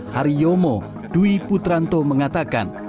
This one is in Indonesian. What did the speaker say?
hari yomo dwi putranto mengatakan